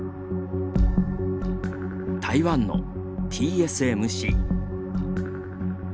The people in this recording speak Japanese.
台湾のＴＳＭＣ。